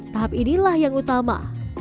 tahap inilah yang utama